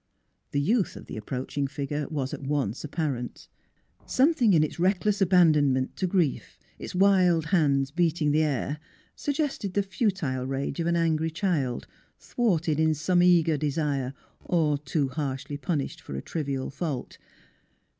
The youth of the approaching figure was at once apparent. Something in its reckless aban donment to grief; its wild hands beating the air, suggested the futile rage of an angry child, thwarted in some eager desire, or too harshly punished for some trivial fault.